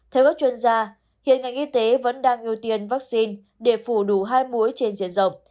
theo các chuyên gia hiện ngành y tế vẫn đang ưu tiên vaccine để phủ đủ hai muối trên diện rộng